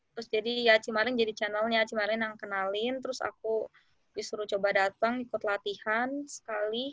terus jadi ya cimarin jadi channelnya cimarin yang kenalin terus aku disuruh coba datang ikut latihan sekali